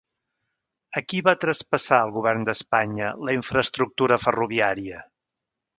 A qui va traspassar el Govern d'Espanya la infraestructura ferroviària?